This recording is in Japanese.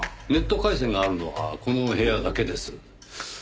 ネット回線があるのはこの部屋だけです。